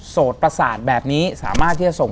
สดประสาทแบบนี้สามารถที่จะส่ง